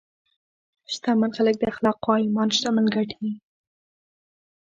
شتمن خلک د اخلاقو او ایمان شتمن ګڼي.